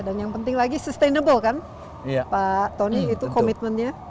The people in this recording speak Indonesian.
dan yang penting lagi sustainable kan pak tony itu commitmentnya